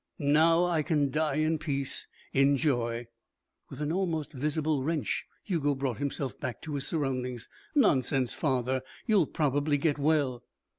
"Now I can die in peace in joy." With an almost visible wrench Hugo brought himself back to his surroundings. "Nonsense, father. You'll probably get well."